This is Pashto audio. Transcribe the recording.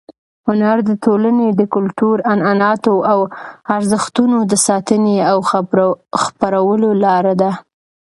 هنر د ټولنې د کلتور، عنعناتو او ارزښتونو د ساتنې او خپرولو لار ده.